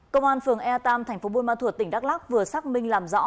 công an phường e ba tp bôn ma thuột tỉnh đắk lắc vừa xác minh làm rõ